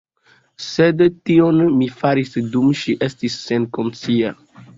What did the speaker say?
Sed tion mi faris, dum ŝi estis senkonscia.